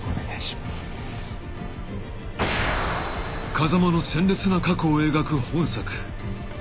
［風間の鮮烈な過去を描く本作］